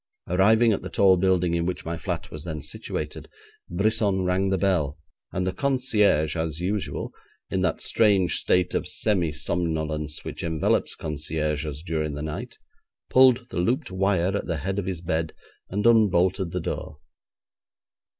Arriving at the tall building in which my flat was then situated, Brisson rang the bell, and the concierge, as usual, in that strange state of semi somnolence which envelops concierges during the night, pulled the looped wire at the head of his bed, and unbolted the door.